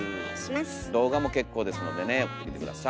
動画も結構ですのでね送ってきて下さい。